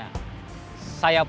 saya pun menjaga kegiatan